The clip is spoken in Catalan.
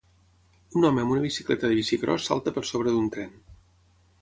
Un home amb una bicicleta de bicicròs salta per sobre d'un tren.